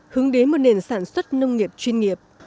hướng đến một nền sản xuất nông nghiệp chuyên nghiệp